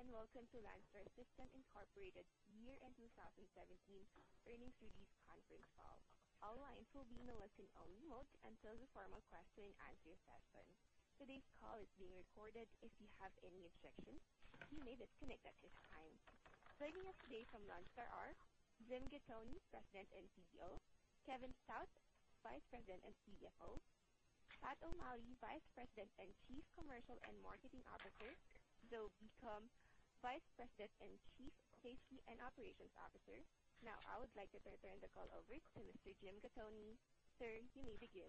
Good afternoon, and welcome to Landstar System Incorporated year-end 2017 earnings release conference call. All lines will be in a listen-only mode until the formal question-and-answer session. Today's call is being recorded. If you have any objections, you may disconnect at this time. Joining us today from Landstar are Jim Gattoni, President and CEO, Kevin Stout, Vice President and CFO, Pat O'Malley, Vice President and Chief Commercial and Marketing Officer, Joe Beacom, Vice President and Chief Safety and Operations Officer. Now, I would like to turn the call over to Mr. Jim Gattoni. Sir, you may begin.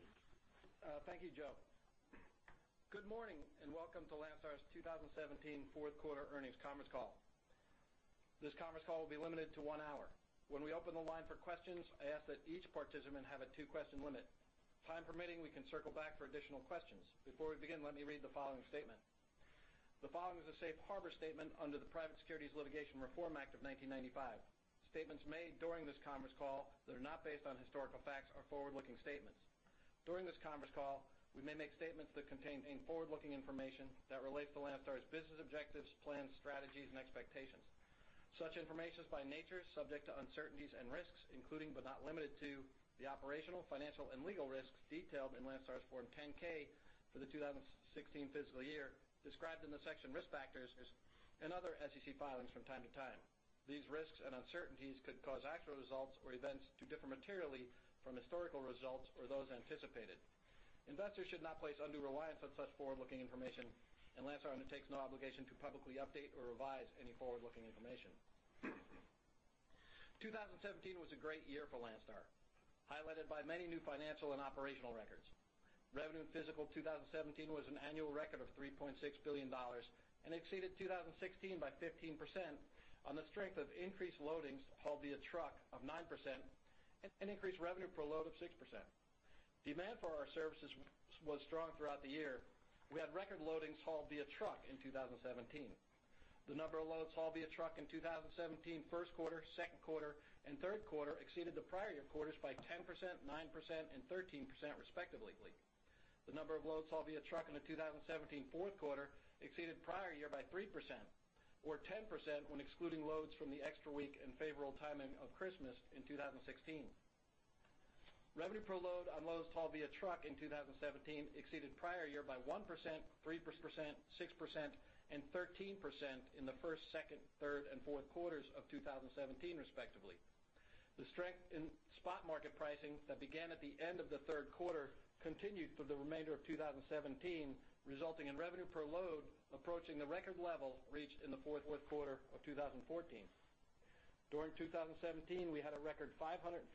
Thank you, Jo. Good morning, and welcome to Landstar's 2017 fourth quarter earnings conference call. This conference call will be limited to 1 hour. When we open the line for questions, I ask that each participant have a 2-question limit. Time permitting, we can circle back for additional questions. Before we begin, let me read the following statement. The following is a safe harbor statement under the Private Securities Litigation Reform Act of 1995. Statements made during this conference call that are not based on historical facts are forward-looking statements. During this conference call, we may make statements that contain forward-looking information that relates to Landstar's business objectives, plans, strategies, and expectations. Such information is by nature subject to uncertainties and risks, including but not limited to, the operational, financial, and legal risks detailed in Landstar's Form 10-K for the 2016 fiscal year, described in the section Risk Factors and other SEC filings from time to time. These risks and uncertainties could cause actual results or events to differ materially from historical results or those anticipated. Investors should not place undue reliance on such forward-looking information, and Landstar undertakes no obligation to publicly update or revise any forward-looking information. 2017 was a great year for Landstar, highlighted by many new financial and operational records. Revenue in fiscal 2017 was an annual record of $3.6 billion and exceeded 2016 by 15% on the strength of increased loadings hauled via truck of 9% and increased revenue per load of 6%. Demand for our services was strong throughout the year. We had record loadings hauled via truck in 2017. The number of loads hauled via truck in 2017 first quarter, second quarter, and third quarter exceeded the prior year quarters by 10%, 9%, and 13%, respectively. The number of loads hauled via truck in the 2017 fourth quarter exceeded prior year by 3% or 10% when excluding loads from the extra week and favorable timing of Christmas in 2016. Revenue per load on loads hauled via truck in 2017 exceeded prior year by 1%, 3%, 6%, and 13% in the first, second, third, and fourth quarters of 2017, respectively. The strength in spot market pricing that began at the end of the third quarter continued for the remainder of 2017, resulting in revenue per load approaching the record level reached in the fourth, fourth quarter of 2014. During 2017, we had a record 542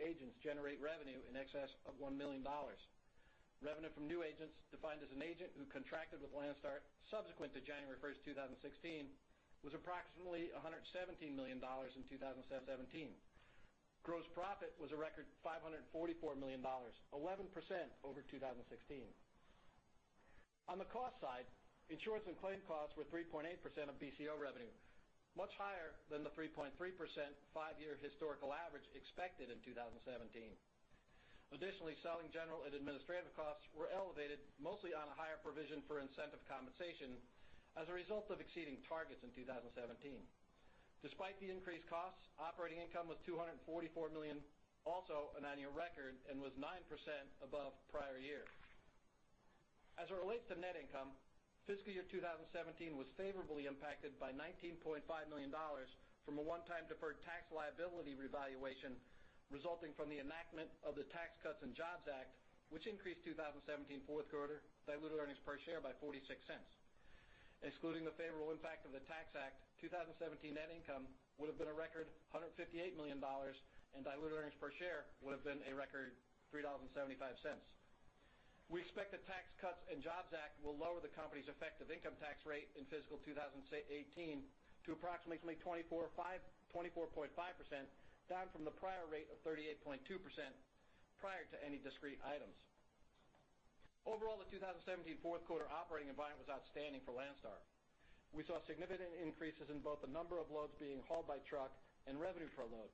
agents generate revenue in excess of $1 million. Revenue from new agents, defined as an agent who contracted with Landstar subsequent to January 1st, 2016, was approximately $117 million in 2017. Gross profit was a record $544 million, 11% over 2016. On the cost side, insurance and claim costs were 3.8% of BCO revenue, much higher than the 3.3% five-year historical average expected in 2017. Additionally, selling, general, and administrative costs were elevated, mostly on a higher provision for incentive compensation as a result of exceeding targets in 2017. Despite the increased costs, operating income was $244 million, also an annual record, and was 9% above prior year. As it relates to net income, fiscal year 2017 was favorably impacted by $19.5 million from a one-time deferred tax liability revaluation resulting from the enactment of the Tax Cuts and Jobs Act, which increased 2017 fourth quarter diluted earnings per share by $0.46. Excluding the favorable impact of the Tax Act, 2017 net income would have been a record $158 million, and diluted earnings per share would have been a record $3.75. We expect the Tax Cuts and Jobs Act will lower the company's effective income tax rate in fiscal 2018 to approximately 24.5%, down from the prior rate of 38.2% prior to any discrete items. Overall, the 2017 fourth quarter operating environment was outstanding for Landstar. We saw significant increases in both the number of loads being hauled by truck and revenue per load.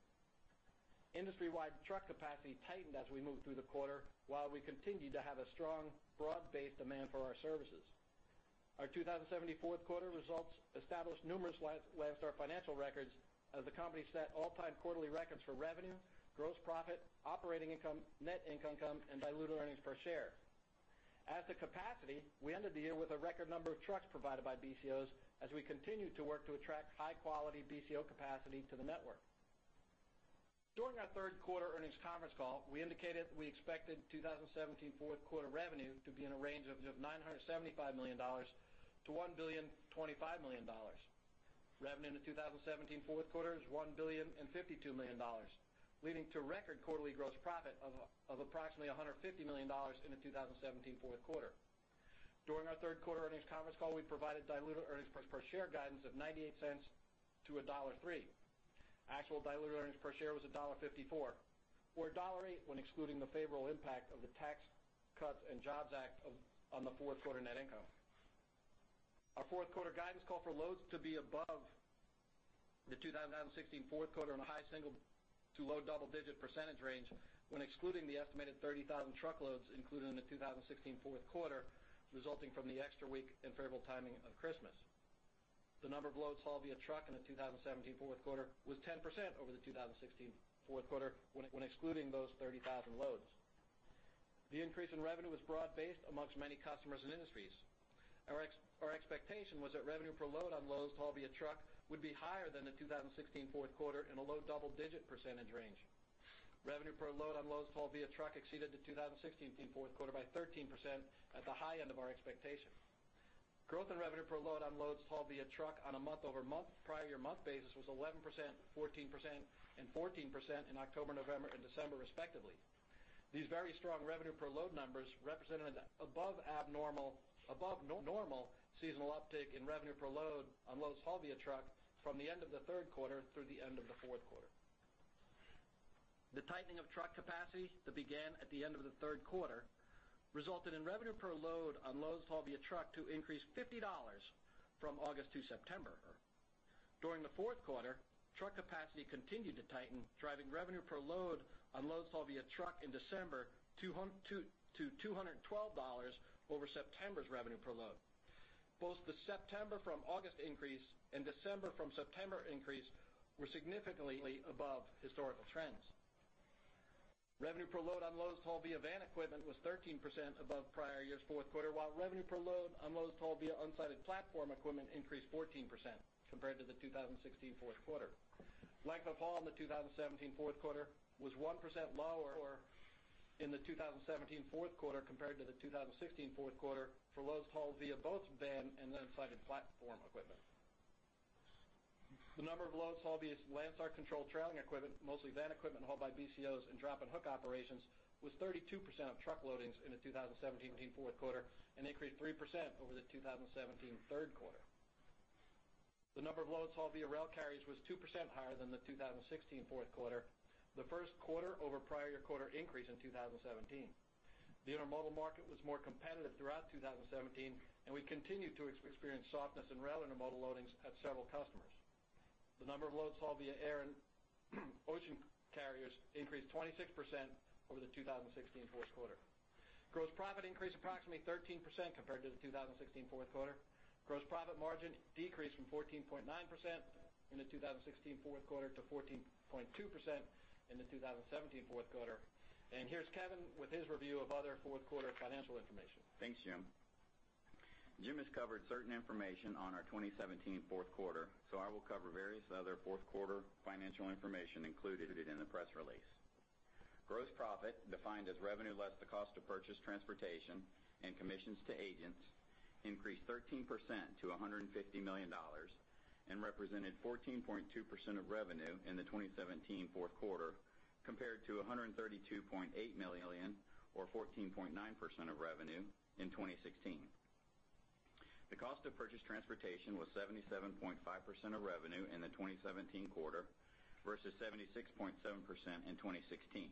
Industry-wide truck capacity tightened as we moved through the quarter, while we continued to have a strong, broad-based demand for our services. Our 2017 fourth quarter results established numerous Landstar financial records as the company set all-time quarterly records for revenue, gross profit, operating income, net income, and diluted earnings per share. As to capacity, we ended the year with a record number of trucks provided by BCOs as we continued to work to attract high-quality BCO capacity to the network. During our third quarter earnings conference call, we indicated we expected 2017 fourth quarter revenue to be in a range of $975 million-$1.025 billion. Revenue in the 2017 fourth quarter is $1.052 billion, leading to record quarterly gross profit of approximately $150 million in the 2017 fourth quarter. During our third quarter earnings conference call, we provided diluted earnings per share guidance of $0.98-$1.03. Actual diluted earnings per share was $1.54, or $1.08 when excluding the favorable impact of the Tax Cuts and Jobs Act on the fourth quarter net income. Our fourth quarter guidance called for loads to be above... The 2016 fourth quarter on a high single- to low double-digit percentage range, when excluding the estimated 30,000 truckloads included in the 2016 fourth quarter, resulting from the extra week and favorable timing of Christmas. The number of loads hauled via truck in the 2017 fourth quarter was 10% over the 2016 fourth quarter, when excluding those 30,000 loads. The increase in revenue was broad-based among many customers and industries. Our expectation was that revenue per load on loads hauled via truck would be higher than the 2016 fourth quarter in a low double-digit percentage range. Revenue per load on loads hauled via truck exceeded the 2016 fourth quarter by 13% at the high end of our expectation. Growth in revenue per load on loads hauled via truck on a month-over-month prior year month basis was 11%, 14%, and 14% in October, November, and December, respectively. These very strong revenue per load numbers represented an above-normal seasonal uptick in revenue per load on loads hauled via truck from the end of the third quarter through the end of the fourth quarter. The tightening of truck capacity that began at the end of the third quarter resulted in revenue per load on loads hauled via truck to increase $50 from August to September. During the fourth quarter, truck capacity continued to tighten, driving revenue per load on loads hauled via truck in December to $212 over September's revenue per load. Both the September from August increase and December from September increase were significantly above historical trends. Revenue per load on loads hauled via van equipment was 13% above prior year's fourth quarter, while revenue per load on loads hauled via unsided platform equipment increased 14% compared to the 2016 fourth quarter. Length of haul in the 2017 fourth quarter was 1% lower in the 2017 fourth quarter compared to the 2016 fourth quarter for loads hauled via both van and unsided platform equipment. The number of loads hauled via Landstar-controlled trailer equipment, mostly van equipment hauled by BCOs and drop and hook operations, was 32% of truck loadings in the 2017 fourth quarter, and increased 3% over the 2017 third quarter. The number of loads hauled via rail carriers was 2% higher than the 2016 fourth quarter, the first quarter-over-prior-year-quarter increase in 2017. The intermodal market was more competitive throughout 2017, and we continued to experience softness in rail intermodal loadings at several customers. The number of loads hauled via air and ocean carriers increased 26% over the 2016 fourth quarter. Gross profit increased approximately 13% compared to the 2016 fourth quarter. Gross profit margin decreased from 14.9% in the 2016 fourth quarter to 14.2% in the 2017 fourth quarter. Here's Kevin with his review of other fourth quarter financial information. Thanks, Jim. Jim has covered certain information on our 2017 fourth quarter, so I will cover various other fourth quarter financial information included in the press release. Gross profit, defined as revenue less the cost to purchase transportation and commissions to agents, increased 13% to $150 million and represented 14.2% of revenue in the 2017 fourth quarter, compared to $132.8 million, or 14.9% of revenue in 2016. The cost of purchased transportation was 77.5% of revenue in the 2017 quarter versus 76.7% in 2016.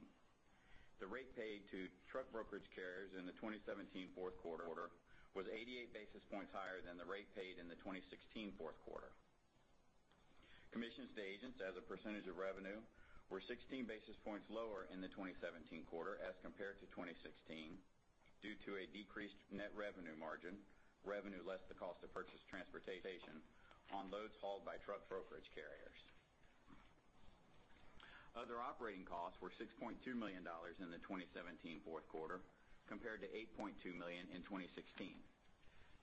The rate paid to truck brokerage carriers in the 2017 fourth quarter was 88 basis points higher than the rate paid in the 2016 fourth quarter. Commissions to agents as a percentage of revenue were 16 basis points lower in the 2017 quarter as compared to 2016, due to a decreased net revenue margin, revenue less the cost of purchased transportation on loads hauled by truck brokerage carriers. Other operating costs were $6.2 million in the 2017 fourth quarter, compared to $8.2 million in 2016.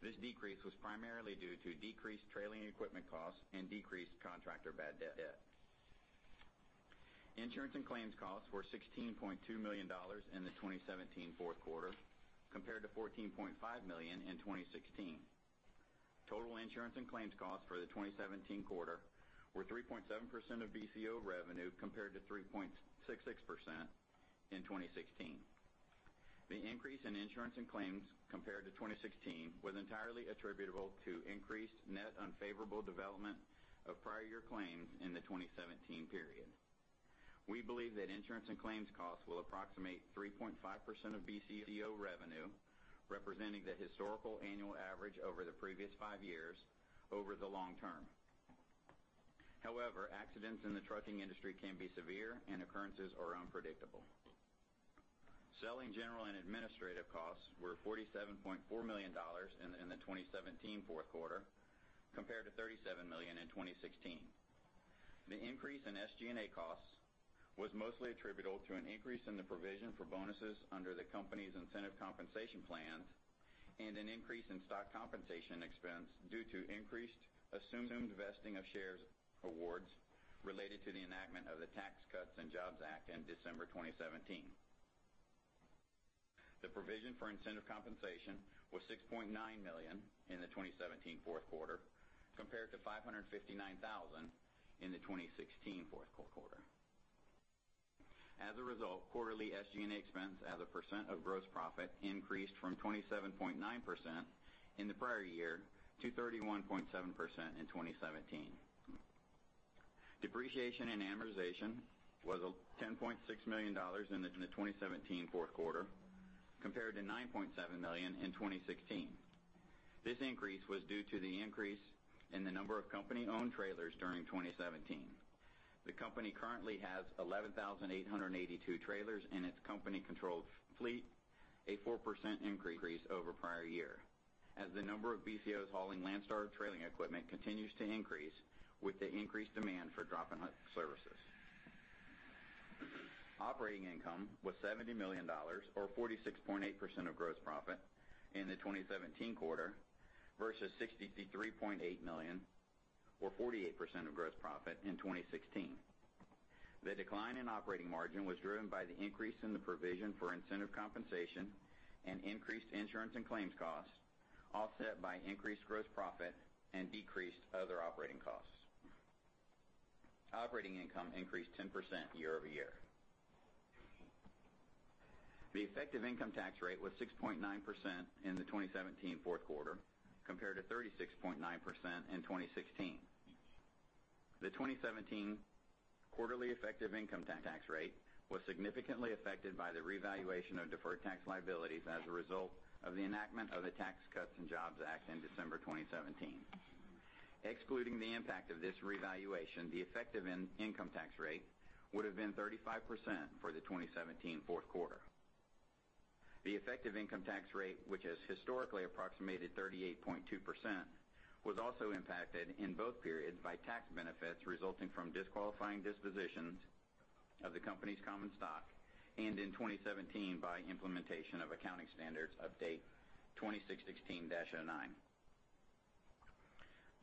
This decrease was primarily due to decreased trailing equipment costs and decreased contractor bad debt. Insurance and claims costs were $16.2 million in the 2017 fourth quarter, compared to $14.5 million in 2016. Total insurance and claims costs for the 2017 quarter were 3.7% of BCO revenue, compared to 3.66% in 2016. The increase in insurance and claims compared to 2016 was entirely attributable to increased net unfavorable development of prior year claims in the 2017 period. We believe that insurance and claims costs will approximate 3.5% of BCO revenue, representing the historical annual average over the previous five years, over the long term. However, accidents in the trucking industry can be severe and occurrences are unpredictable. Selling, general, and administrative costs were $47.4 million in the 2017 fourth quarter, compared to $37 million in 2016. The increase in SG&A costs was mostly attributable to an increase in the provision for bonuses under the company's incentive compensation plan and an increase in stock compensation expense due to increased assumed vesting of shares awards related to the enactment of the Tax Cuts and Jobs Act in December 2017. The provision for incentive compensation was $6.9 million in the 2017 fourth quarter, compared to $559,000 in the 2016 fourth quarter. As a result, quarterly SG&A expense as a percent of gross profit increased from 27.9% in the prior year to 31.7% in 2017. Depreciation and amortization was $10.6 million in the 2017 fourth quarter, compared to $9.7 million in 2016. This increase was due to the increase in the number of company-owned trailers during 2017. The company currently has 11,882 trailers in its company-controlled fleet, a 4% increase over prior year. As the number of BCOs hauling Landstar trailer equipment continues to increase with the increased demand for drop-and-hook services. Operating income was $70 million, or 46.8% of gross profit in the 2017 quarter, versus $63.8 million, or 48% of gross profit in 2016. The decline in operating margin was driven by the increase in the provision for incentive compensation and increased insurance and claims costs, offset by increased gross profit and decreased other operating costs. Operating income increased 10% year-over-year. The effective income tax rate was 6.9% in the 2017 fourth quarter, compared to 36.9% in 2016. The 2017 quarterly effective income tax rate was significantly affected by the revaluation of deferred tax liabilities as a result of the enactment of the Tax Cuts and Jobs Act in December 2017. Excluding the impact of this revaluation, the effective income tax rate would have been 35% for the 2017 fourth quarter. The effective income tax rate, which has historically approximated 38.2%, was also impacted in both periods by tax benefits resulting from disqualifying dispositions of the company's common stock, and in 2017 by implementation of Accounting Standards Update 2016-09.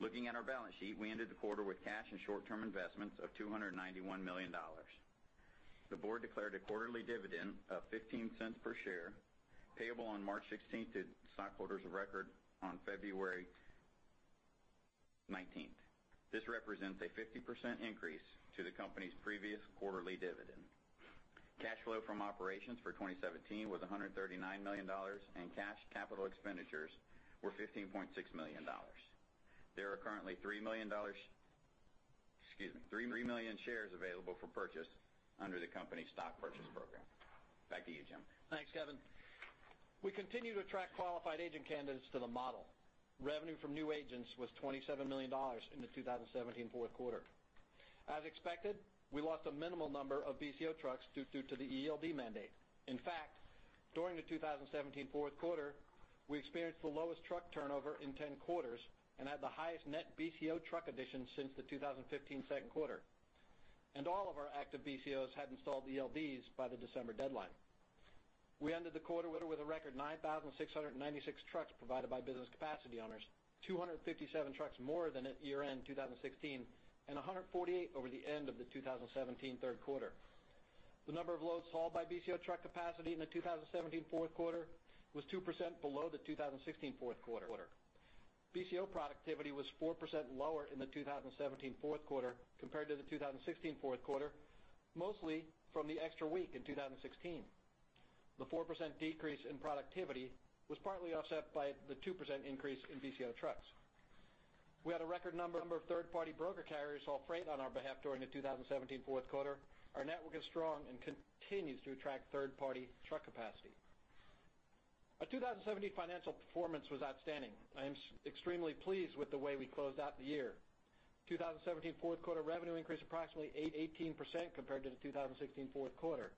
Looking at our balance sheet, we ended the quarter with cash and short-term investments of $291 million. The board declared a quarterly dividend of $0.15 per share, payable on March 16th, to stockholders of record on February 19th. This represents a 50% increase to the company's previous quarterly dividend. Cash flow from operations for 2017 was $139 million, and cash capital expenditures were $15.6 million. There are currently $3 million, excuse me, 3 million shares available for purchase under the company's stock purchase program. Back to you, Jim. Thanks, Kevin. We continue to attract qualified agent candidates to the model. Revenue from new agents was $27 million in the 2017 fourth quarter. As expected, we lost a minimal number of BCO trucks due to the ELD mandate. In fact, during the 2017 fourth quarter, we experienced the lowest truck turnover in 10 quarters and had the highest net BCO truck additions since the 2015 second quarter. And all of our active BCOs had installed ELDs by the December deadline. We ended the quarter with a record 9,696 trucks provided by business capacity owners, 257 trucks more than at year-end 2016, and 148 over the end of the 2017 third quarter. The number of loads hauled by BCO truck capacity in the 2017 fourth quarter was 2% below the 2016 fourth quarter. BCO productivity was 4% lower in the 2017 fourth quarter, compared to the 2016 fourth quarter, mostly from the extra week in 2016. The 4% decrease in productivity was partly offset by the 2% increase in BCO trucks. We had a record number of third-party broker carriers haul freight on our behalf during the 2017 fourth quarter. Our network is strong and continues to attract third-party truck capacity. Our 2017 financial performance was outstanding. I am extremely pleased with the way we closed out the year. 2017 fourth quarter revenue increased approximately 8%-18% compared to the 2016 fourth quarter.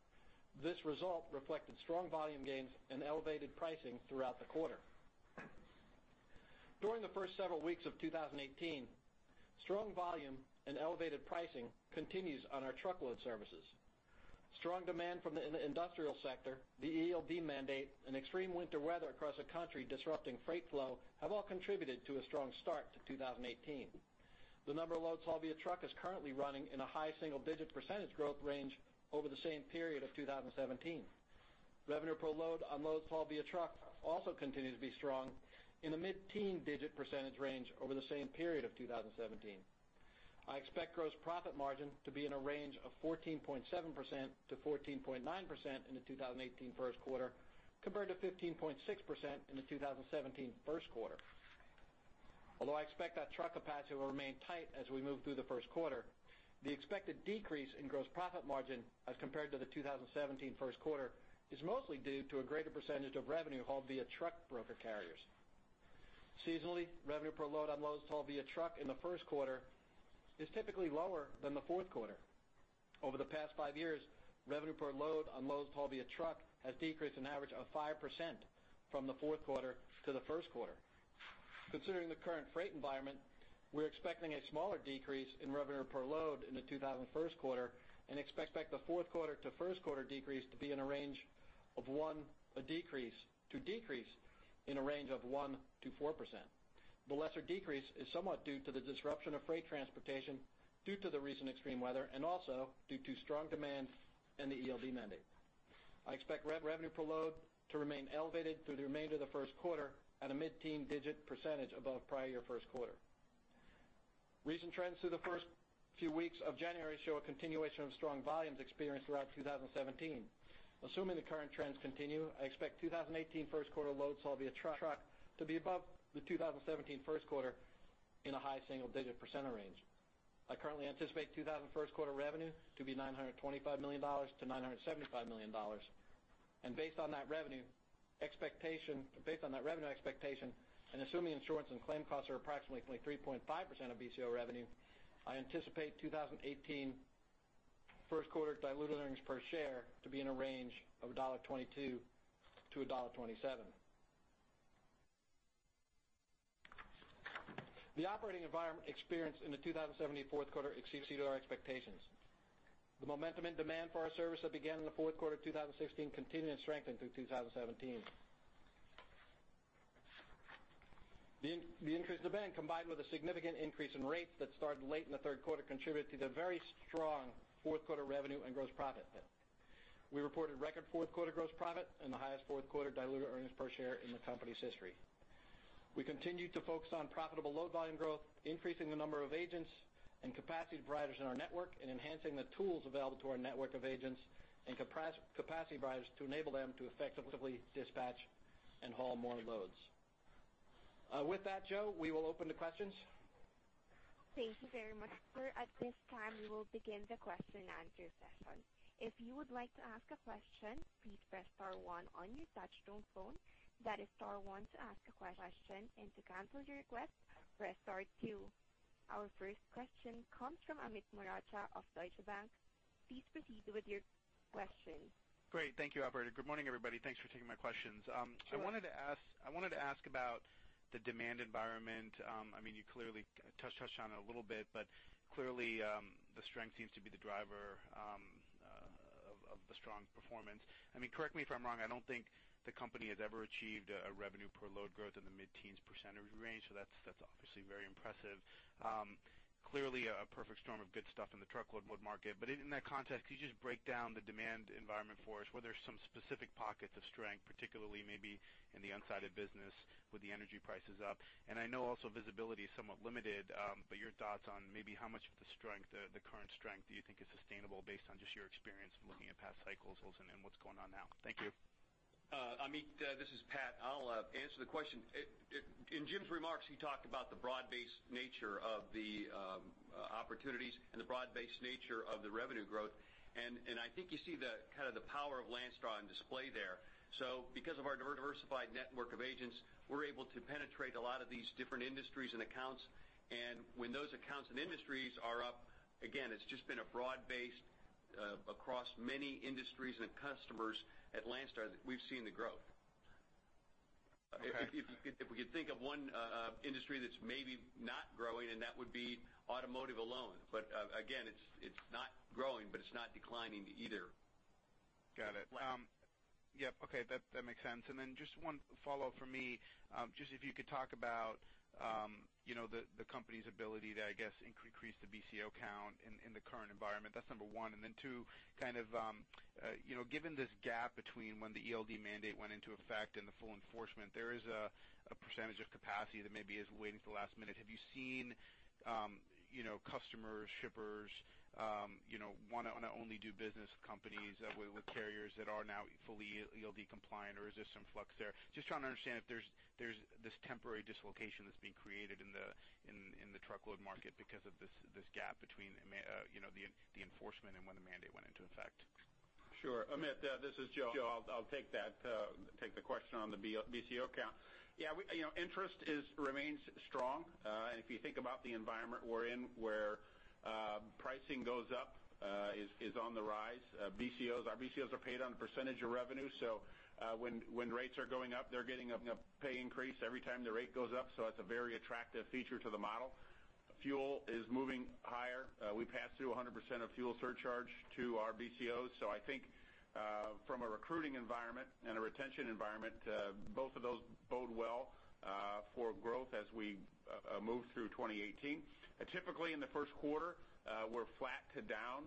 This result reflected strong volume gains and elevated pricing throughout the quarter. During the first several weeks of 2018, strong volume and elevated pricing continues on our truckload services. Strong demand from the industrial sector, the ELD mandate, and extreme winter weather across the country disrupting freight flow, have all contributed to a strong start to 2018. The number of loads hauled via truck is currently running in a high single-digit percentage growth range over the same period of 2017. Revenue per load on loads hauled via truck also continues to be strong in the mid-teens percentage range over the same period of 2017. I expect gross profit margin to be in a range of 14.7%-14.9% in the 2018 first quarter, compared to 15.6% in the 2017 first quarter. Although I expect that truck capacity will remain tight as we move through the first quarter, the expected decrease in gross profit margin as compared to the 2017 first quarter, is mostly due to a greater percentage of revenue hauled via truck broker carriers. Seasonally, revenue per load on loads hauled via truck in the first quarter is typically lower than the fourth quarter. Over the past 5 years, revenue per load on loads hauled via truck has decreased an average of 5% from the fourth quarter to the first quarter. Considering the current freight environment, we're expecting a smaller decrease in revenue per load in the 2018 first quarter, and expect the fourth quarter to first quarter decrease to be in a range of a decrease in a range of 1%-4%. The lesser decrease is somewhat due to the disruption of freight transportation due to the recent extreme weather, and also due to strong demand and the ELD mandate. I expect revenue per load to remain elevated through the remainder of the first quarter at a mid-teen digit percentage above prior year first quarter. Recent trends through the first few weeks of January show a continuation of strong volumes experienced throughout 2017. Assuming the current trends continue, I expect 2018 first quarter loads hauled via truck to be above the 2017 first quarter in a high single-digit percentage range.... I currently anticipate 2018 first quarter revenue to be $925 million-$975 million. And based on that revenue expectation, based on that revenue expectation, and assuming insurance and claim costs are approximately 3.5% of BCO revenue, I anticipate 2018 first quarter diluted earnings per share to be in a range of $1.22-$1.27. The operating environment experienced in the 2017 fourth quarter exceeded our expectations. The momentum and demand for our service that began in the fourth quarter of 2016 continued and strengthened through 2017. The increased demand, combined with a significant increase in rates that started late in the third quarter, contributed to the very strong fourth quarter revenue and gross profit. We reported record fourth quarter gross profit and the highest fourth quarter diluted earnings per share in the company's history. We continued to focus on profitable load volume growth, increasing the number of agents and capacity providers in our network, and enhancing the tools available to our network of agents and capacity providers to enable them to effectively dispatch and haul more loads. With that, Jo, we will open to questions. Thank you very much. At this time, we will begin the question and answer session. If you would like to ask a question, please press star one on your touchtone phone. That is star one to ask a question, and to cancel your request, press star two. Our first question comes from Amit Mehrotra of Deutsche Bank. Please proceed with your question. Great. Thank you, Alberta. Good morning, everybody. Thanks for taking my questions. I wanted to ask about the demand environment. I mean, you clearly touched on it a little bit, but clearly, the strength seems to be the driver of the strong performance. I mean, correct me if I'm wrong, I don't think the company has ever achieved a revenue per load growth in the mid-teens percentage range, so that's obviously very impressive. Clearly a perfect storm of good stuff in the truckload wood market. But in that context, could you just break down the demand environment for us, where there's some specific pockets of strength, particularly maybe in the unsided business with the energy prices up? I know also visibility is somewhat limited, but your thoughts on maybe how much of the strength, the current strength, do you think is sustainable based on just your experience in looking at past cycles and what's going on now? Thank you. Amit, this is Pat. I'll answer the question. In Jim's remarks, he talked about the broad-based nature of the opportunities and the broad-based nature of the revenue growth. And I think you see the kind of the power of Landstar on display there. So because of our diversified network of agents, we're able to penetrate a lot of these different industries and accounts, and when those accounts and industries are up, again, it's just been a broad-based across many industries and customers at Landstar that we've seen the growth. Okay. If we could think of one industry that's maybe not growing, and that would be automotive alone. But, again, it's not growing, but it's not declining either. Got it. Yep, okay, that makes sense. And then just one follow-up from me. Just if you could talk about, you know, the company's ability to, I guess, increase the BCO count in the current environment. That's number one. And then, two, kind of, you know, given this gap between when the ELD mandate went into effect and the full enforcement, there is a percentage of capacity that maybe is waiting for the last minute. Have you seen, you know, customers, shippers, you know, want to only do business with companies, with carriers that are now fully ELD compliant, or is there some flux there? Just trying to understand if there's this temporary dislocation that's being created in the truckload market because of this gap between the mandate, you know, the enforcement and when the mandate went into effect. Sure. Amit, this is Joe. I'll take that question on the BCO count. Yeah, we, you know, interest remains strong. And if you think about the environment we're in, where pricing goes up, is on the rise, BCOs, our BCOs are paid on a percentage of revenue. So, when rates are going up, they're getting a pay increase every time the rate goes up, so it's a very attractive feature to the model. Fuel is moving higher. We passed through 100% of fuel surcharge to our BCOs. So I think, from a recruiting environment and a retention environment, both of those bode well, for growth as we move through 2018. Typically, in the first quarter, we're flat to down,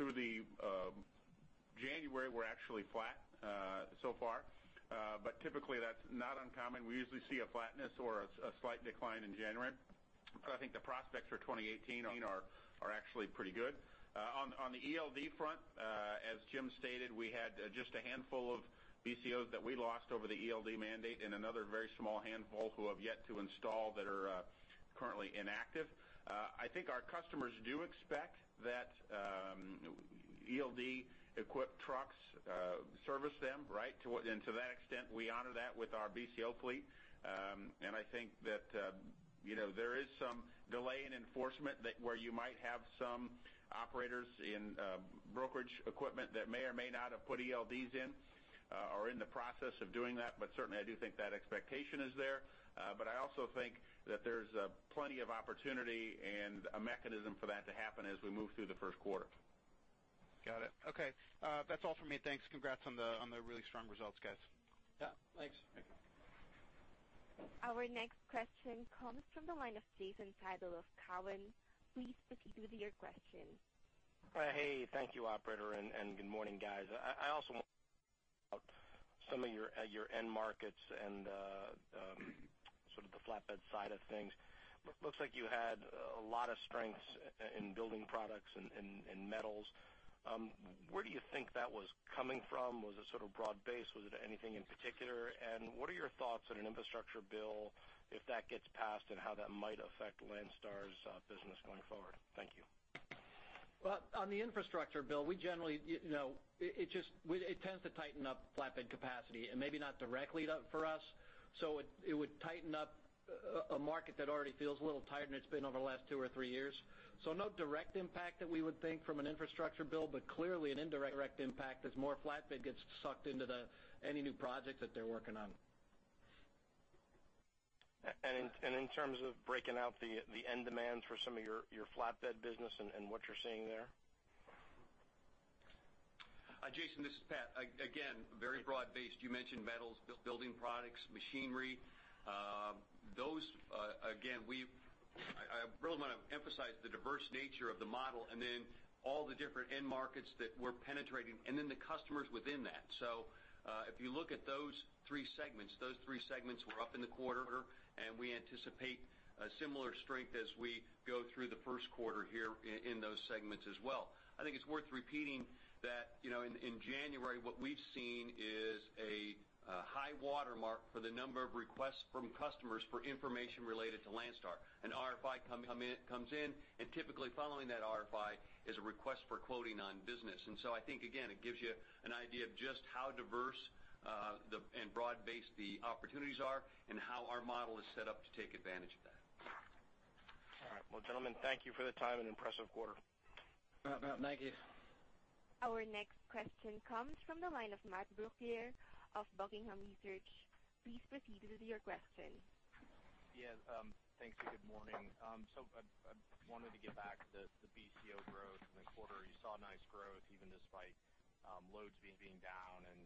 through the January, we're actually flat, so far, but typically that's not uncommon. We usually see a flatness or a slight decline in January. But I think the prospects for 2018 are actually pretty good. On the ELD front, as Jim stated, we had just a handful of BCOs that we lost over the ELD mandate, and another very small handful who have yet to install that are currently inactive. I think our customers do expect that ELD-equipped trucks service them, right? To what, and to that extent, we honor that with our BCO fleet. And I think that, you know, there is some delay in enforcement that, where you might have some operators in brokerage equipment that may or may not have put ELDs in or in the process of doing that, but certainly, I do think that expectation is there. But I also think that there's plenty of opportunity and a mechanism for that to happen as we move through the first quarter. Got it. Okay, that's all from me. Thanks. Congrats on the, on the really strong results, guys. Yeah, thanks. Thank you. Our next question comes from the line of Jason Seidl of Cowen. Please proceed with your question. Hey, thank you, operator, and good morning, guys. I also want some of your your end markets and sort of the flatbed side of things. Looks like you had a lot of strength in building products and metals. Where do you think that was coming from? Was it sort of broad-based? Was it anything in particular? And what are your thoughts on an infrastructure bill, if that gets passed, and how that might affect Landstar's business going forward? Thank you. Well, on the infrastructure bill, we generally, you know, it just tends to tighten up flatbed capacity and maybe not directly for us. So it would tighten up a market that already feels a little tight, and it's been over the last two or three years. So no direct impact that we would think from an infrastructure bill, but clearly an indirect impact as more flatbed gets sucked into any new project that they're working on. In terms of breaking out the end demands for some of your flatbed business and what you're seeing there? Jason, this is Pat. Again, very broad-based. You mentioned metals, building products, machinery. Those, again, we've. I, I really want to emphasize the diverse nature of the model, and then all the different end markets that we're penetrating, and then the customers within that. So, if you look at those three segments, those three segments were up in the quarter, and we anticipate a similar strength as we go through the first quarter here in those segments as well. I think it's worth repeating that, you know, in January, what we've seen is a high watermark for the number of requests from customers for information related to Landstar. An RFI comes in, and typically following that RFI is a request for quoting on business. And so I think, again, it gives you an idea of just how diverse and broad-based the opportunities are and how our model is set up to take advantage of that. All right. Well, gentlemen, thank you for the time and impressive quarter. Thank you. Our next question comes from the line of Matt Brooklier of Buckingham Research. Please proceed with your question. Yeah, thanks, and good morning. So I wanted to get back to the BCO growth in the quarter. You saw nice growth, even despite loads being down, and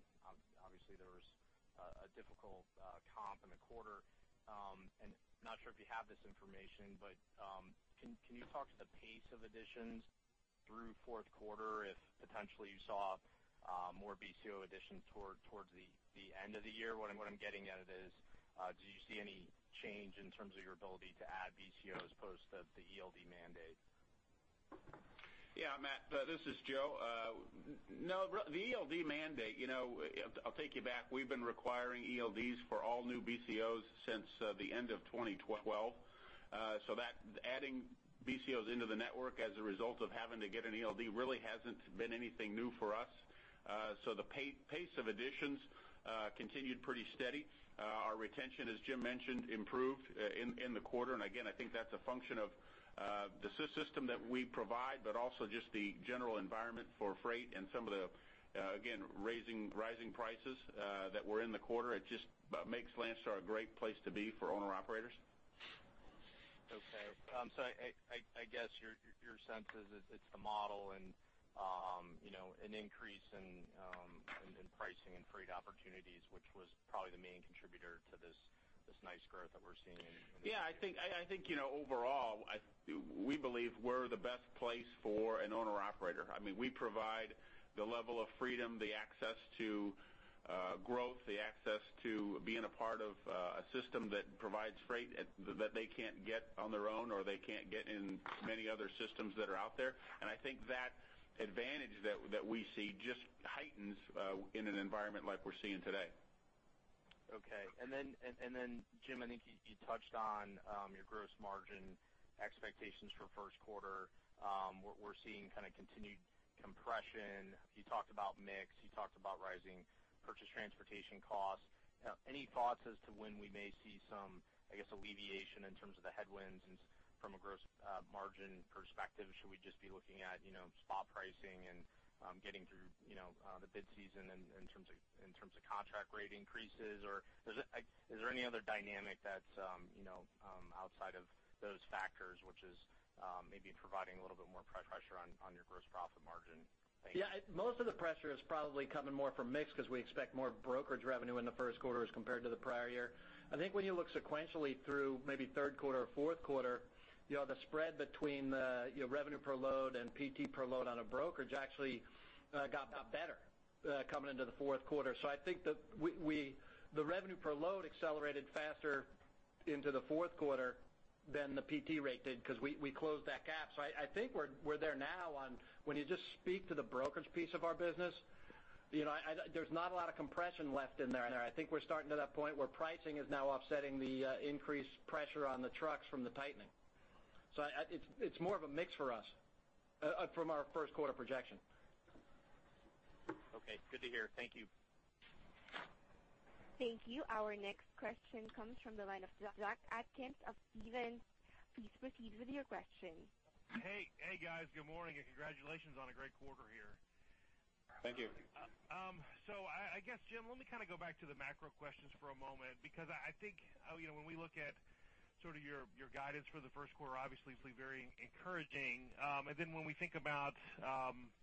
obviously, there was a difficult comp in the quarter. And not sure if you have this information, but can you talk to the pace of additions through fourth quarter, if potentially you saw more BCO additions toward the end of the year? What I'm getting at is, do you see any change in terms of your ability to add BCOs post the ELD mandate? Yeah, Matt, this is Joe. No, really, the ELD mandate, you know, I'll take you back. We've been requiring ELDs for all new BCOs since the end of 2012. So that adding BCOs into the network as a result of having to get an ELD really hasn't been anything new for us. So the pace of additions continued pretty steady. Our retention, as Jim mentioned, improved in the quarter, and again, I think that's a function of the system that we provide, but also just the general environment for freight and some of the, again, rising prices that were in the quarter. It just makes Landstar a great place to be for owner-operators. Okay. So I guess your sense is it's the model and, you know, an increase in pricing and freight opportunities, which was probably the main contributor to this nice growth that we're seeing in- Yeah, I think, you know, overall, we believe we're the best place for an owner-operator. I mean, we provide the level of freedom, the access to growth, the access to being a part of a system that provides freight that they can't get on their own, or they can't get in many other systems that are out there. And I think that advantage that we see just heightens in an environment like we're seeing today. Okay. And then, Jim, I think you touched on your gross margin expectations for first quarter. We're seeing kind of continued compression. You talked about mix, you talked about rising purchase transportation costs. Any thoughts as to when we may see some, I guess, alleviation in terms of the headwinds from a gross margin perspective? Should we just be looking at, you know, spot pricing and getting through, you know, the bid season in terms of contract rate increases? Or is it like, is there any other dynamic that's, you know, outside of those factors, which is maybe providing a little bit more pressure on your gross profit margin? Thank you. Yeah, most of the pressure is probably coming more from mix because we expect more brokerage revenue in the first quarter as compared to the prior year. I think when you look sequentially through maybe third quarter or fourth quarter, you know, the spread between the, you know, revenue per load and PT per load on a brokerage actually got, got better coming into the fourth quarter. So I think that we, we -- the revenue per load accelerated faster into the fourth quarter than the PT rate did because we, we closed that gap. So I, I think we're, we're there now on when you just speak to the brokerage piece of our business, you know, I, there's not a lot of compression left in there. I think we're starting to that point where pricing is now offsetting the increased pressure on the trucks from the tightening. So, it's more of a mix for us from our first quarter projection. Okay, good to hear. Thank you. Thank you. Our next question comes from the line of Jack Atkins of Stephens. Please proceed with your question. Hey, hey, guys. Good morning, and congratulations on a great quarter here. Thank you. So I guess, Jim, let me kind of go back to the macro questions for a moment, because I think, you know, when we look at sort of your guidance for the first quarter, obviously, it's very encouraging. And then when we think about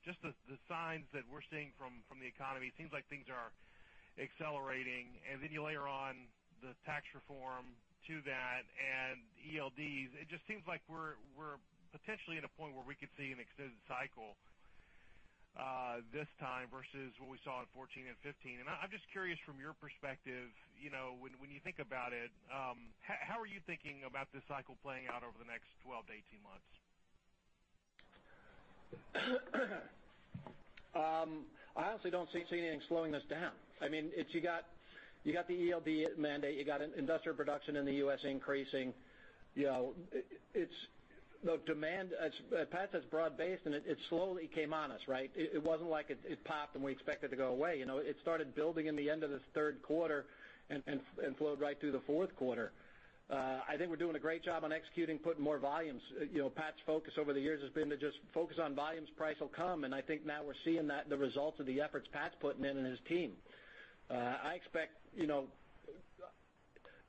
just the signs that we're seeing from the economy, it seems like things are accelerating, and then you layer on the tax reform to that and ELDs, it just seems like we're potentially at a point where we could see an extended cycle... this time versus what we saw in 14 and 15. And I'm just curious from your perspective, you know, when you think about it, how are you thinking about this cycle playing out over the next 12-18 months? I honestly don't see anything slowing this down. I mean, it's you got the ELD mandate, you got an industrial production in the U.S. increasing. You know, it's the demand, as Pat says, broad-based, and it slowly came on us, right? It wasn't like it popped, and we expect it to go away. You know, it started building in the end of this third quarter and flowed right through the fourth quarter. I think we're doing a great job on executing, putting more volumes. You know, Pat's focus over the years has been to just focus on volumes, price will come, and I think now we're seeing that, the results of the efforts Pat's putting in and his team. I expect, you know...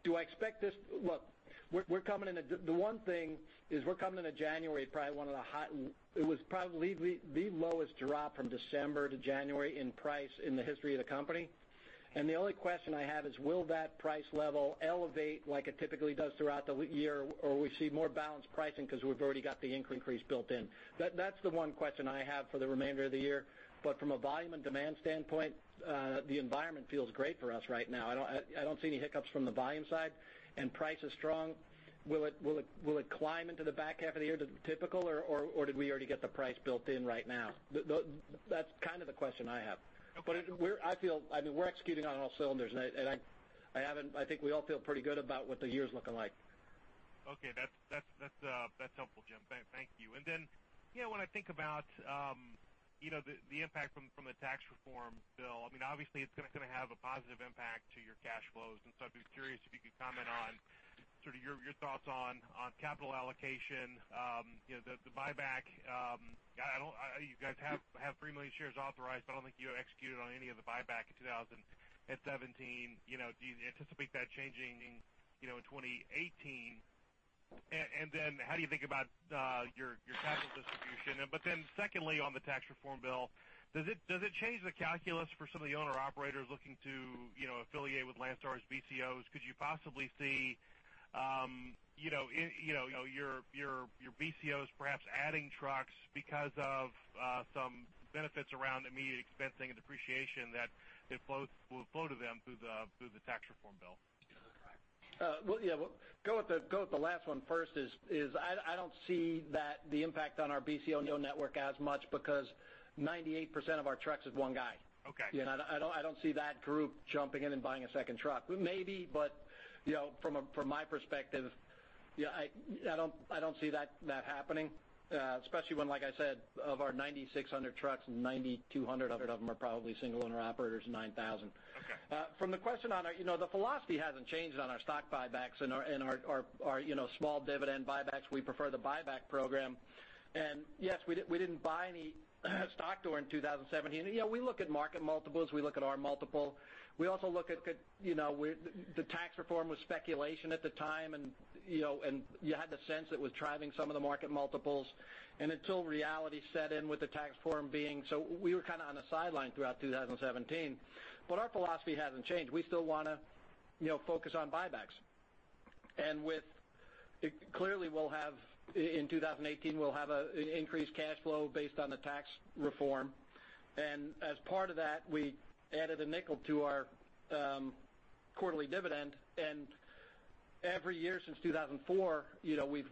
Do I expect this? Look, the one thing is we're coming into January, probably one of the hot... It was probably the lowest drop from December to January in price in the history of the company. And the only question I have is, will that price level elevate like it typically does throughout the year, or we see more balanced pricing 'cause we've already got the increase built in? That's the one question I have for the remainder of the year. But from a volume and demand standpoint, the environment feels great for us right now. I don't see any hiccups from the volume side, and price is strong. Will it climb into the back half of the year to the typical, or did we already get the price built in right now? That's kind of the question I have. Okay. But we're—I feel, I mean, we're executing on all cylinders, and I haven't—I think we all feel pretty good about what the year is looking like. Okay. That's helpful, Jim. Thank you. And then, you know, when I think about, you know, the impact from the tax reform bill, I mean, obviously, it's gonna have a positive impact to your cash flows. And so I'd be curious if you could comment on your thoughts on capital allocation, you know, the buyback. I don't... You guys have 3 million shares authorized, but I don't think you executed on any of the buyback in 2017. You know, do you anticipate that changing, you know, in 2018? And then how do you think about your capital distribution? But then secondly, on the tax reform bill, does it change the calculus for some of the owner-operators looking to affiliate with Landstar's BCOs? Could you possibly see, you know, your BCOs perhaps adding trucks because of some benefits around immediate expensing and depreciation that will flow to them through the tax reform bill? Well, yeah. Well, go with the last one first. I don't see that the impact on our BCO and agent network as much because 98% of our trucks is one guy. Okay. You know, I don't see that group jumping in and buying a second truck. But maybe, you know, from my perspective, yeah, I don't see that happening, especially when, like I said, of our 9,600 trucks, 9,200 of them are probably single owner-operators, 9,000. Okay. From the question on our... You know, the philosophy hasn't changed on our stock buybacks and our small dividend buybacks. We prefer the buyback program. And yes, we didn't buy any stock during 2017. You know, we look at market multiples, we look at our multiple. We also look at, you know, where the tax reform was speculation at the time, and, you know, and you had the sense it was driving some of the market multiples, and until reality set in with the tax reform being... So we were kind of on the sideline throughout 2017, but our philosophy hasn't changed. We still wanna, you know, focus on buybacks. And with it clearly we'll have in 2018, we'll have an increased cash flow based on the tax reform. As part of that, we added a nickel to our quarterly dividend. Every year since 2004, you know, we've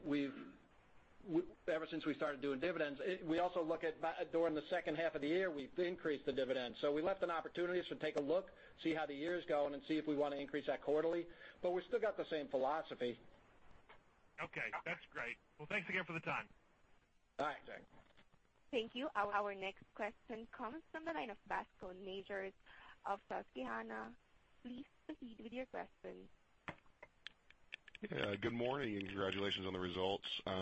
ever since we started doing dividends, we also look at during the second half of the year, we've increased the dividend. We left an opportunity to take a look, see how the year is going, and see if we want to increase that quarterly, but we still got the same philosophy. Okay, that's great. Well, thanks again for the time. All right. Thanks. Thank you. Our next question comes from the line of Bascome Majors of Susquehanna. Please proceed with your question. Yeah, good morning, and congratulations on the results. I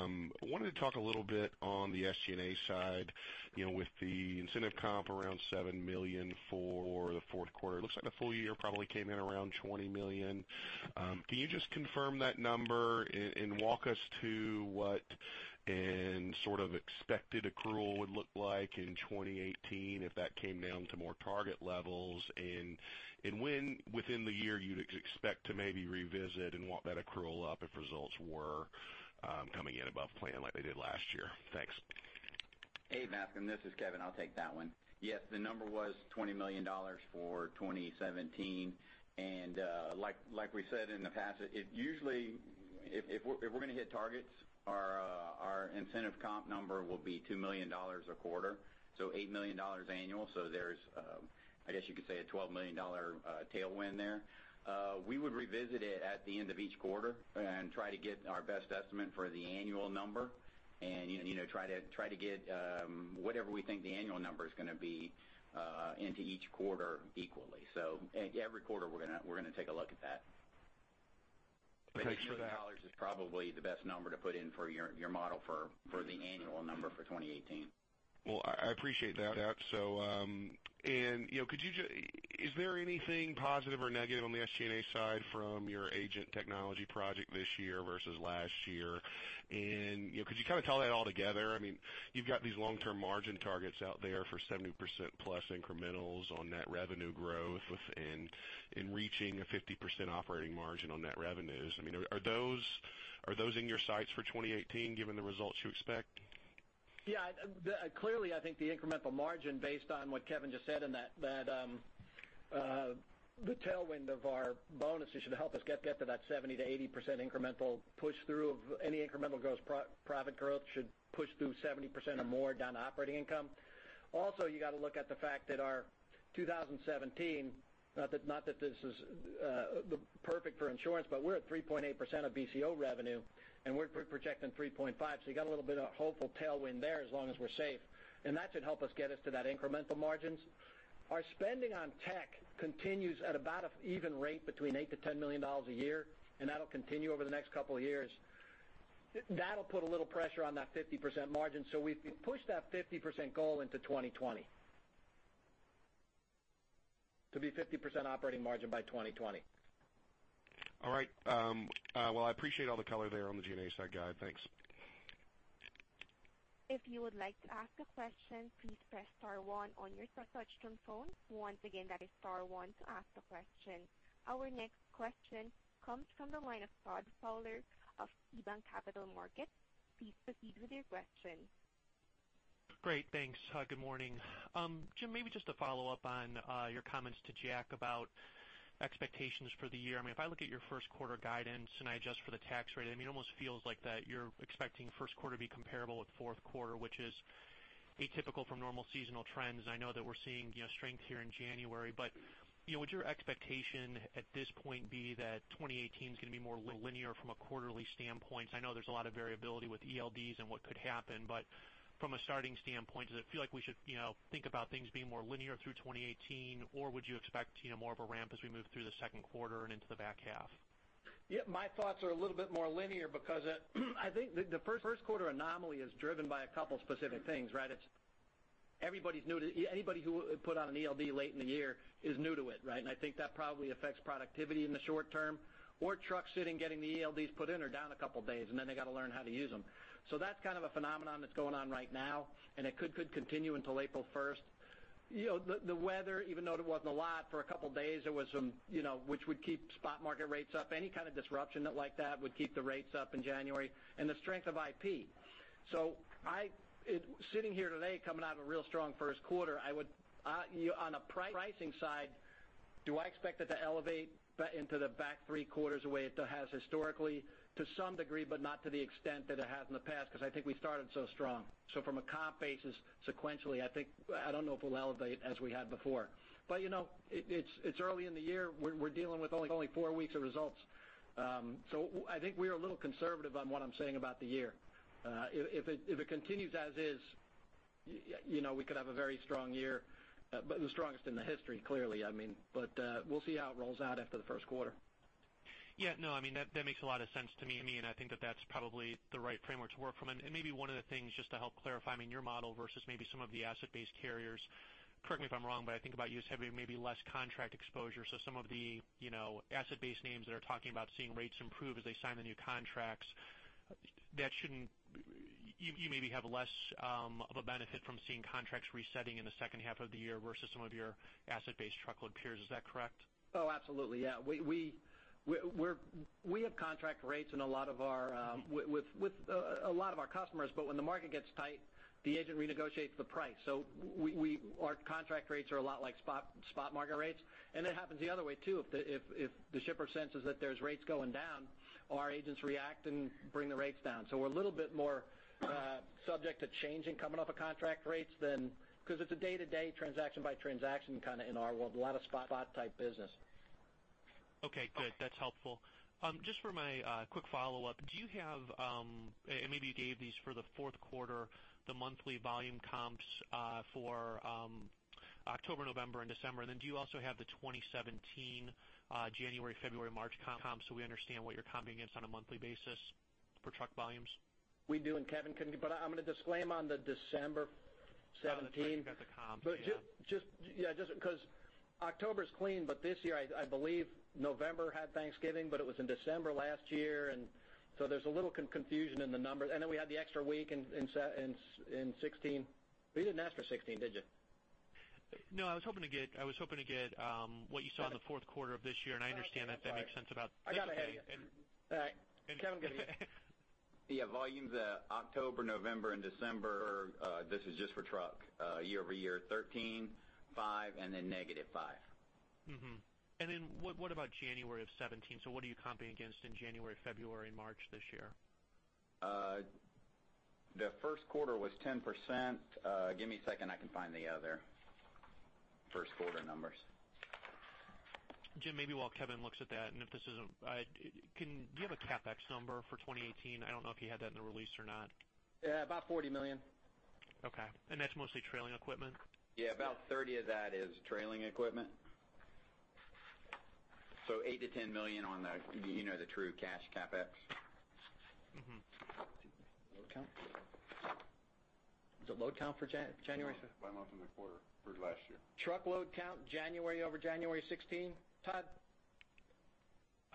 wanted to talk a little bit on the SG&A side. You know, with the incentive comp around $7 million for the fourth quarter, looks like the full year probably came in around $20 million. Can you just confirm that number and, and walk us to what and sort of expected accrual would look like in 2018 if that came down to more target levels, and, and when within the year you'd expect to maybe revisit and want that accrual up if results were, coming in above plan like they did last year? Thanks. Hey, Bascome, this is Kevin. I'll take that one. Yes, the number was $20 million for 2017. And, like, like we said in the past, it usually... If we're going to hit targets, our incentive comp number will be $2 million a quarter, so $8 million annual. So there's, I guess you could say, a $12 million tailwind there. We would revisit it at the end of each quarter and try to get our best estimate for the annual number and, you know, try to get whatever we think the annual number is gonna be into each quarter equally. So every quarter, we're gonna take a look at that. Thanks for that. But $2 million is probably the best number to put in for your model for the annual number for 2018. Well, I appreciate that out. So, and, you know, could you just... Is there anything positive or negative on the SG&A side from your agent technology project this year versus last year? And, you know, could you kind of tell that all together? I mean, you've got these long-term margin targets out there for 70% plus incrementals on net revenue growth and reaching a 50% operating margin on net revenues. I mean, are those in your sights for 2018, given the results you expect? ... Yeah, clearly, I think the incremental margin, based on what Kevin just said in that, the tailwind of our bonuses should help us get to that 70%-80% incremental push-through of any incremental gross profit growth should push through 70% or more down to operating income. Also, you got to look at the fact that our 2017, not that this is the perfect for insurance, but we're at 3.8% of BCO revenue, and we're projecting 3.5%. So you got a little bit of hopeful tailwind there as long as we're safe, and that should help us get to that incremental margins. Our spending on tech continues at about an even rate between $8 million-$10 million a year, and that'll continue over the next couple of years. That'll put a little pressure on that 50% margin. So we've pushed that 50% goal into 2020. To be 50% operating margin by 2020. All right, well, I appreciate all the color there on the G&A side, guys. Thanks. If you would like to ask a question, please press star one on your touchtone phone. Once again, that is star one to ask the question. Our next question comes from the line of Todd Fowler of KeyBanc Capital Markets. Please proceed with your question. Great, thanks. Good morning. Jim, maybe just to follow up on your comments to Jack about expectations for the year. I mean, if I look at your first quarter guidance, and I adjust for the tax rate, I mean, it almost feels like that you're expecting first quarter to be comparable with fourth quarter, which is atypical from normal seasonal trends. I know that we're seeing, you know, strength here in January, but, you know, would your expectation at this point be that 2018 is going to be more linear from a quarterly standpoint? I know there's a lot of variability with ELDs and what could happen, but from a starting standpoint, does it feel like we should, you know, think about things being more linear through 2018, or would you expect, you know, more of a ramp as we move through the second quarter and into the back half? Yeah, my thoughts are a little bit more linear because, I think the, the first quarter anomaly is driven by a couple of specific things, right? It's everybody's new to it. Anybody who put on an ELD late in the year is new to it, right? And I think that probably affects productivity in the short term, or trucks sitting, getting the ELDs put in or down a couple of days, and then they got to learn how to use them. So that's kind of a phenomenon that's going on right now, and it could, could continue until April 1st. You know, the, the weather, even though it wasn't a lot for a couple of days, there was some, you know, which would keep spot market rates up. Any kind of disruption like that would keep the rates up in January, and the strength of IP. So I- it... Sitting here today, coming out of a real strong first quarter, I would, you know, on a pricing side, do I expect it to elevate back into the back three quarters the way it has historically? To some degree, but not to the extent that it has in the past, because I think we started so strong. So from a comp basis, sequentially, I think, I don't know if it will elevate as we had before. But, you know, it, it's, it's early in the year. We're, we're dealing with only, only four weeks of results. So I think we are a little conservative on what I'm saying about the year. If it continues as is, you know, we could have a very strong year, but the strongest in the history, clearly, I mean, we'll see how it rolls out after the first quarter. Yeah, no, I mean, that makes a lot of sense to me, I mean, and I think that that's probably the right framework to work from. And maybe one of the things just to help clarify, I mean, your model versus maybe some of the asset-based carriers, correct me if I'm wrong, but I think about you as having maybe less contract exposure. So some of the, you know, asset-based names that are talking about seeing rates improve as they sign the new contracts, that shouldn't... You maybe have less of a benefit from seeing contracts resetting in the second half of the year versus some of your asset-based truckload peers. Is that correct? Oh, absolutely, yeah. We have contract rates in a lot of our with a lot of our customers, but when the market gets tight, the agent renegotiates the price. So our contract rates are a lot like spot market rates, and it happens the other way, too. If the shipper senses that there's rates going down, our agents react and bring the rates down. So we're a little bit more subject to changing coming off of contract rates than because it's a day-to-day, transaction by transaction kind of in our world, a lot of spot type business. Okay, good. That's helpful. Just for my quick follow-up, do you have and maybe, give, these for the fourth quarter, the monthly volume comps for October, November, and December? And then do you also have the 2017 January, February, March comps, so we understand what you're comping against on a monthly basis for truck volumes? We do, and Kevin, can you... But I'm going to disclaim on the December 2017. Got the comps, yeah. Just, yeah, just because October's clean, but this year, I believe November had Thanksgiving, but it was in December last year, and so there's a little confusion in the numbers. And then we had the extra week in 2016. But you didn't ask for 2016, did you? No, I was hoping to get, I was hoping to get, what you saw in the fourth quarter of this year, and I understand if that makes sense about- I got ahead of you. All right. Kevin, go ahead. Yeah, volumes, October, November, and December, this is just for truck, year-over-year, 13, 5, and then -5. Mm-hmm. And then what, what about January 17? So what are you comping against in January, February, and March this year? The first quarter was 10%. Give me a second, I can find the other first quarter numbers. Jim, maybe while Kevin looks at that, and if this isn't, can you have a CapEx number for 2018? I don't know if you had that in the release or not. Yeah, about $40 million. Okay. And that's mostly trailing equipment? Yeah, about 30 of that is trailing equipment. So $8 million-$10 million on the, you know, the true cash CapEx. Mm-hmm. Load count? The load count for January. By month in the quarter for last year. Truckload count, January over January 2016. Todd?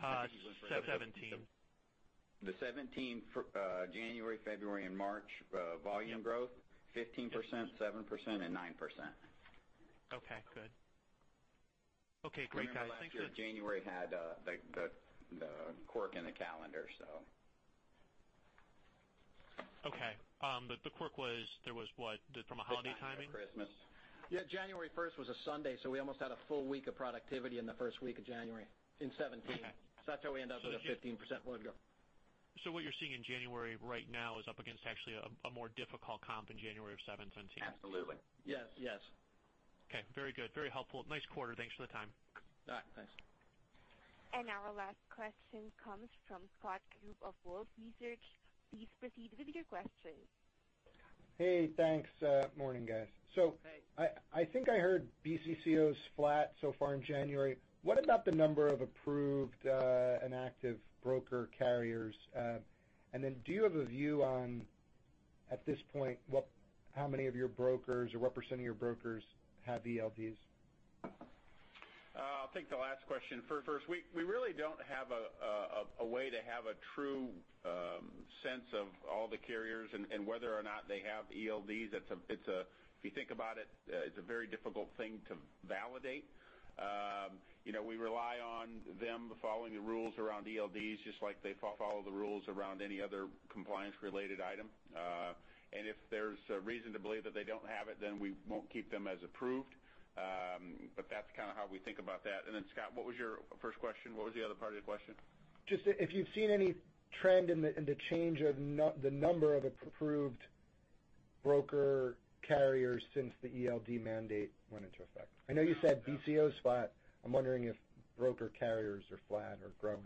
Uh, 2017. The 2017 for January, February, and March volume growth, 15%, 7%, and 9%. Okay, good.... Okay, great, guys. Thanks for- January had the quirk in the calendar, so. Okay, but the quirk was, there was what? From a holiday timing? Christmas. Yeah, January 1st was a Sunday, so we almost had a full week of productivity in the first week of January in 2017. Okay. So that's how we end up with a 15% load growth. What you're seeing in January right now is up against actually a more difficult comp in January of 2017? Absolutely. Yes, yes. Okay, very good. Very helpful. Nice quarter. Thanks for the time. All right, thanks. Now our last question comes from Scott Group of Wolfe Research. Please proceed with your question. Hey, thanks. Morning, guys. Hey. So I think I heard BCO is flat so far in January. What about the number of approved and active broker carriers? And then do you have a view on, at this point, how many of your brokers or what percentage of your brokers have ELDs? I'll take the last question first. We really don't have a way to have a true sense of all the carriers and whether or not they have ELDs. It's a, it's a... If you think about it, it's a very difficult thing to validate. You know, we rely on them following the rules around ELDs, just like they follow the rules around any other compliance-related item. And if there's a reason to believe that they don't have it, then we won't keep them as approved. But that's kind of how we think about that. And then, Scott, what was your first question? What was the other part of your question? Just if you've seen any trend in the change of the number of approved broker carriers since the ELD mandate went into effect. I know you said BCO is flat. I'm wondering if broker carriers are flat or growing.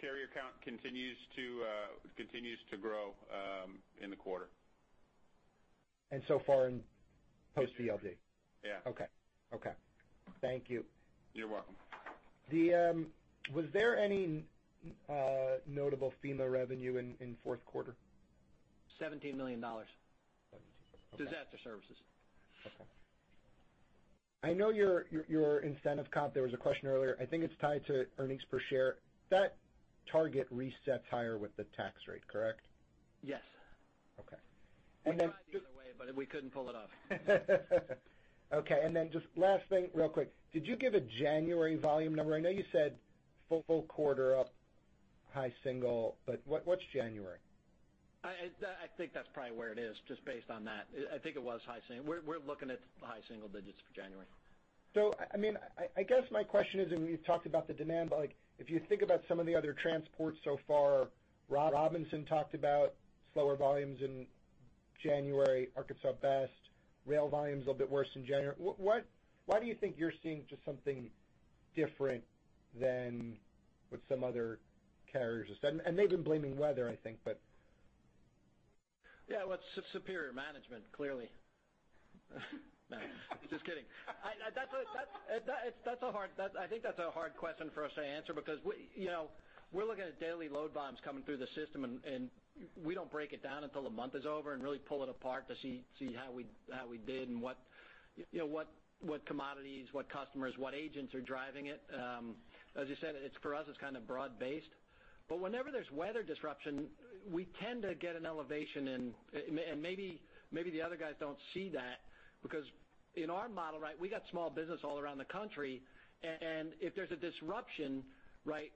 Carrier count continues to grow in the quarter. So far in post-ELD? Yeah. Okay. Okay, thank you. You're welcome. Was there any notable FEMA revenue in fourth quarter? $17 million. Disaster services. Okay. I know your, your incentive comp, there was a question earlier. I think it's tied to earnings per share. That target resets higher with the tax rate, correct? Yes. Okay. And then- We tried the other way, but we couldn't pull it off. Okay, and then just last thing, real quick, did you give a January volume number? I know you said full, full quarter up, high single, but what, what's January? I think that's probably where it is, just based on that. I think it was high single. We're looking at high single digits for January. So, I mean, I guess my question is, and we've talked about the demand, but, like, if you think about some of the other transports so far, Robinson talked about slower volumes in January, Arkansas Best, rail volumes a little bit worse in January. Why do you think you're seeing just something different than what some other carriers have said? And they've been blaming weather, I think, but... Yeah, well, it's superior management, clearly. Just kidding. That's a hard question for us to answer because we, you know, we're looking at daily load bombs coming through the system, and we don't break it down until the month is over and really pull it apart to see how we did and what, you know, what commodities, what customers, what agents are driving it. As you said, it's for us, it's kind of broad-based. But whenever there's weather disruption, we tend to get an elevation in and maybe the other guys don't see that because in our model, right, we got small business all around the country. And if there's a disruption, right,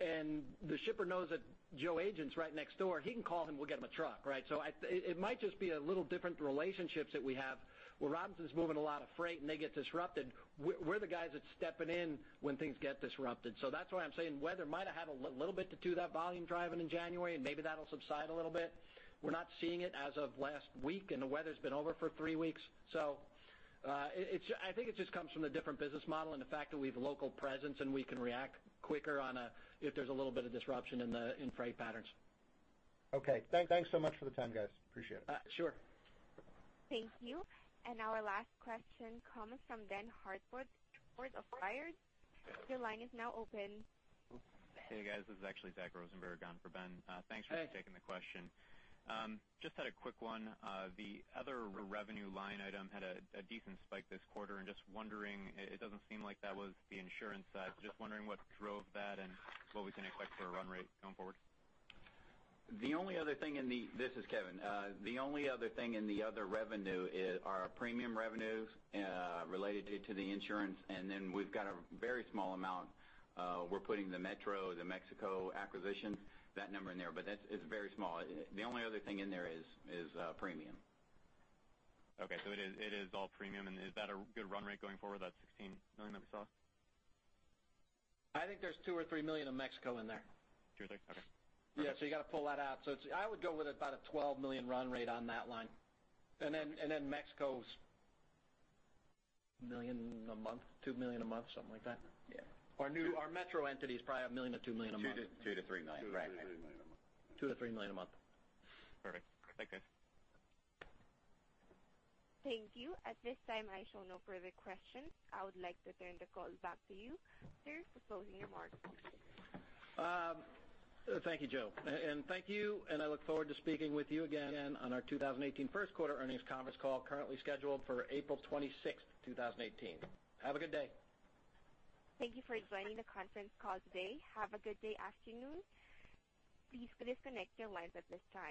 and the shipper knows that Joe Agent's right next door, he can call him, we'll get him a truck, right? So it might just be a little different relationships that we have. Where Robinson is moving a lot of freight, and they get disrupted, we're the guys that's stepping in when things get disrupted. So that's why I'm saying weather might have had a little bit to do with that volume drive in January, and maybe that'll subside a little bit. We're not seeing it as of last week, and the weather's been over for three weeks. So, it's I think it just comes from the different business model and the fact that we have a local presence, and we can react quicker on a if there's a little bit of disruption in the freight patterns. Okay, thanks so much for the time, guys. Appreciate it. Uh, sure. Thank you. Our last question comes from Ben Hartford of Baird. Your line is now open. Oops. Hey, guys, this is actually Zach Rosenberg on for Ben. Hey. Thanks for taking the question. Just had a quick one. The other revenue line item had a decent spike this quarter, and just wondering, it doesn't seem like that was the insurance side. Just wondering what drove that and what we can expect for a run rate going forward? This is Kevin. The only other thing in the other revenue are our premium revenues related to the insurance, and then we've got a very small amount, we're putting the Metro, the Mexico acquisition, that number in there, but that's, it's very small. The only other thing in there is premium. Okay, so it is, it is all premium. And is that a good run rate going forward, that $16 million that we saw? I think there's $2 million or $3 million of Mexico in there. Two or three, okay. Yeah, so you got to pull that out. So it's... I would go with about a $12 million run rate on that line. Mexico's $1 million a month, $2 million a month, something like that? Yeah. Our new Metro entity is probably $1 million-$2 million a month. $2 million-3 million, right. $2 million-3 million a month. Perfect. Thanks, guys. Thank you. At this time, I show no further questions. I would like to turn the call back to you, sir, for closing remarks. Thank you, Jo. And thank you, and I look forward to speaking with you again on our 2018 first quarter earnings conference call, currently scheduled for April 26th, 2018. Have a good day. Thank you for joining the conference call today. Have a good afternoon. Please disconnect your lines at this time.